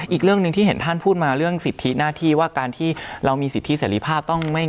อีกเรื่องหนึ่งที่เห็นท่านพูดมาเรื่องสิทธิหน้าที่ว่าการที่เรามีสิทธิเสรีภาพต้องไม่